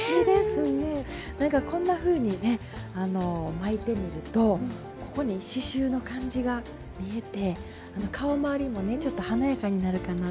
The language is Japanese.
なんかこんなふうにね巻いてみるとここに刺しゅうの感じが見えて顔まわりもねちょっと華やかになるかなと思います。